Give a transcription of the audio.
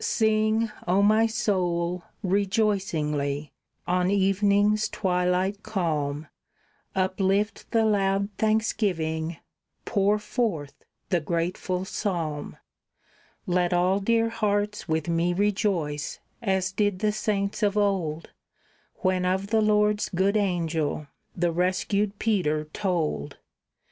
Sing, O my soul, rejoicingly, on evening's twilight calm Uplift the loud thanksgiving, pour forth the grateful psalm; Let all dear hearts with me rejoice, as did the saints of old, When of the Lord's good angel the rescued Peter told.